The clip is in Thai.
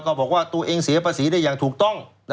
บอกว่าตัวเองเสียภาษีได้อย่างถูกต้อง